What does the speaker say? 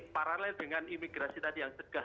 paralel dengan imigrasi tadi yang cegah